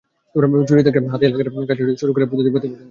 চুরি হতে থাকে প্রকল্প এলাকার গাছ থেকে শুরু করে বৈদ্যুতিক বাতি পর্যন্ত।